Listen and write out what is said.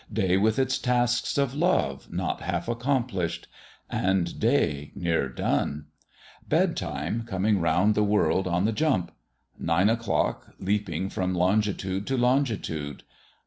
Day with its tasks of love not half accomplished. And Day near done ! Bedtime coming round the world on the jump. Nine o'clock leaping from longtitude to longtitude.